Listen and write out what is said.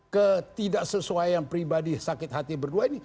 ketidaksesuaian pribadi sakit hati berdua ini